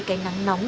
cái nắng nóng